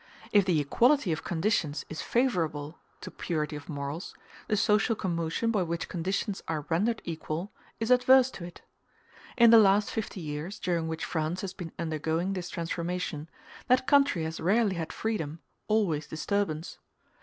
If the equality of conditions is favorable to purity of morals, the social commotion by which conditions are rendered equal is adverse to it. In the last fifty years, during which France has been undergoing this transformation, that country has rarely had freedom, always disturbance.